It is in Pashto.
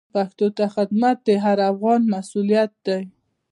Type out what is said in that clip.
پښتو ته خدمت د هر افغان مسوولیت دی.